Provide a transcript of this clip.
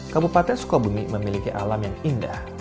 kabupaten sukabumi memiliki alam yang indah